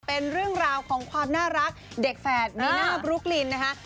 เป็นเรื่องราวของความน่ารักเด็กแฝดมีหน้าบลุ๊กลินนะคะ